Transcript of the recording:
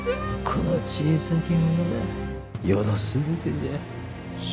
この小さき者が余の全てじゃ。